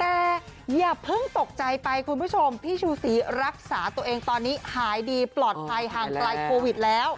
แต่อย่าเพิ่งตกใจไปคุณผู้ชมพี่ชูศรีรักษาตัวเองตอนนี้หายดีปลอดภัยห่างไกลโควิดแล้ว